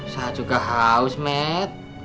saya juga haus mat